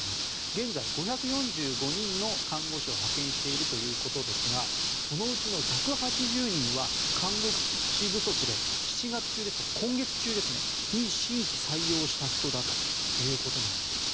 現在、５４５人の看護師を派遣しているということですがそのうちの１８０人は看護師不足で７月中、ですから今月中に新規採用した人ということです。